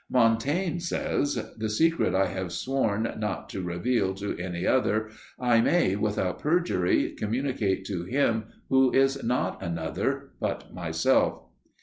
Montaigne says, "The secret I have sworn not to reveal to any other I may, without perjury, communicate to him who is not another, but myself."